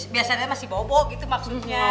biasanya masih bobo gitu maksudnya